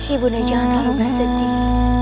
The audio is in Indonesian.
ibu nda jangan terlalu bersedih